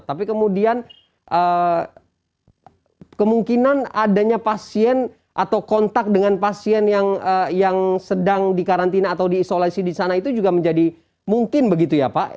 tapi kemudian kemungkinan adanya pasien atau kontak dengan pasien yang sedang dikarantina atau diisolasi di sana itu juga menjadi mungkin begitu ya pak